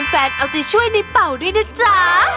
เอาใจช่วยในเป่าด้วยนะจ๊ะ